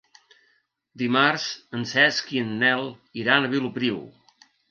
Dimarts en Cesc i en Nel iran a Vilopriu.